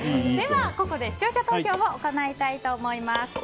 ではここで視聴者投票を伺いたいと思います。